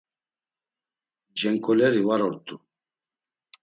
Cenǩoleri var ort̆u.